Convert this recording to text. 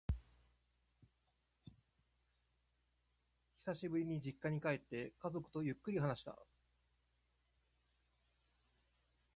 久しぶりに実家へ帰って、家族とゆっくり話した。